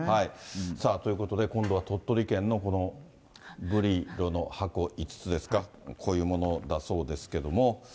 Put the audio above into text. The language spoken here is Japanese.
さあ、ということで今度は鳥取県のこのブリロの箱５つですか、こういうものだそうですけども。